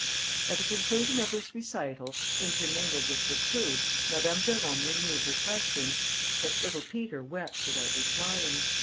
] At the conclusion of this recital, intermingled with reproofs, Madame Jerôme renewed her questions; but little Peter wept without replying.